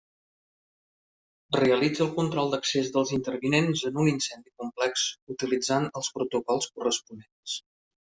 Realitza el control d'accés dels intervinents en un incendi complex, utilitzant els protocols corresponents.